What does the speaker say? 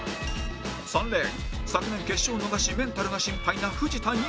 ３レーン昨年を決勝を逃しメンタルが心配な藤田ニコル